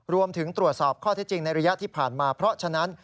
รวมถึงตรวจสอบข้อเท็จจริงในระยะที่ผ่านมาเพราะฉะนั้น